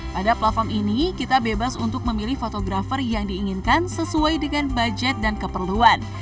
pada platform ini kita bebas untuk memilih fotografer yang diinginkan sesuai dengan budget dan keperluan